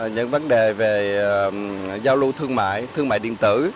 những vấn đề về giao lưu thương mại thương mại điện tử